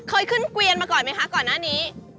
เคยขึ้นเกวียนมาก่อนไหมคะก่อนหน้านี้